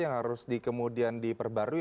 yang harus diperbarui